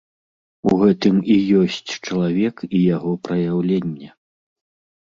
У гэтым і ёсць чалавек і яго праяўленне.